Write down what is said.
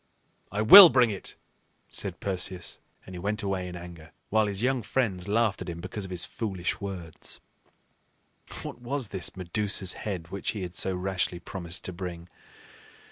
"I will bring it," said Perseus; and he went away in anger, while his young friends laughed at him because of his foolish words. What was this Medusa's head which he had so rashly promised to bring?